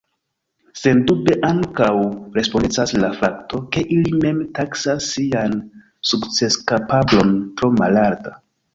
Sendube ankaŭ respondecas la fakto, ke ili mem taksas sian sukceskapablon tro malalta.